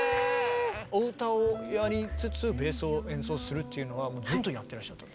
お歌をやりつつベースを演奏するっていうのはずっとやってらっしゃった？